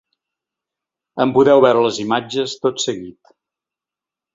En podeu veure les imatges tot seguit.